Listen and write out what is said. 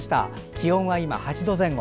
気温は今８度前後。